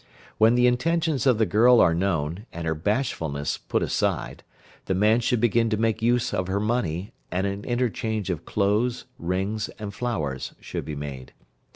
When the intentions of the girl are known, and her bashfulness put aside, the man should begin to make use of her money, and an interchange of clothes, rings, and flowers should be made.